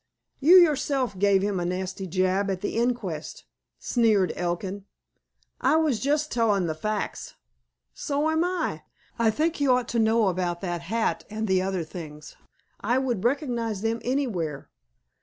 "You yourself gave him a nasty jab at the inquest," sneered Elkin. "I was just tellin' the facts." "So am I. I think you ought to know about that hat and the other things. I would recognize them anywhere.